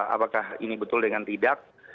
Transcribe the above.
apakah ini betul dengan tidak